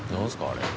あれ。